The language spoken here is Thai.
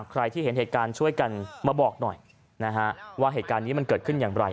ใครที่เห็นเหตุการณ์ช่วยกันมาบอกหน่อยนะฮะว่าเหตุการณ์นี้มันเกิดขึ้นอย่างไร